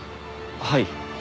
はい。